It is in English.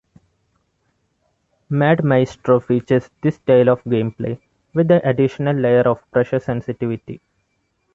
Mad Maestro features this style of gameplay, with the additional layer of pressure sensitivity.